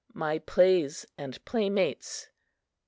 III. MY PLAYS AND PLAYMATES I.